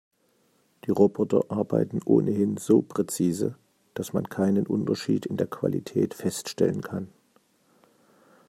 Die Roboter arbeiten ohnehin so präzise, dass man keinen Unterschied in der Qualität feststellen kann.